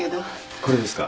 これですか？